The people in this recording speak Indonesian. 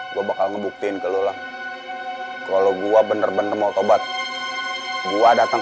kalau gue mau ngebuktiin ke lo alam kalo gue bener bener mau tobat gue datang